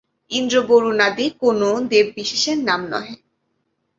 ইন্দ্র-বরুণাদি কোন দেব-বিশেষের নাম নহে।